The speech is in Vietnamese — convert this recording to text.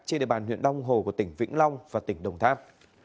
trên địa bàn huyện đông hồ của tỉnh vĩnh long và tỉnh đồng tháp